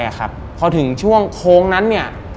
พอถึงช่วงโค้งนั้นเนี่ย